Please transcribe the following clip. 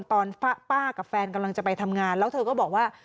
ตอนป้ากับแฟนกำลังจะไปทำงานแล้วเธอก็บอกว่า